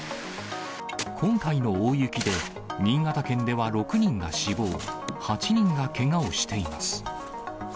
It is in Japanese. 今回の大雪で、新潟県では６人が死亡、８人がけがをしています。